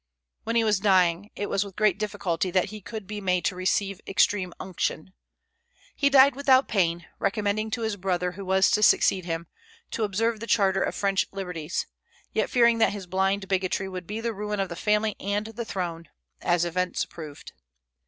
When he was dying, it was with great difficulty that he could be made to receive extreme unction. He died without pain, recommending to his brother, who was to succeed him, to observe the charter of French liberties, yet fearing that his blind bigotry would be the ruin of the family and the throne, as events proved.